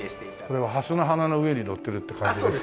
これは蓮の花の上に乗ってるって感じですか？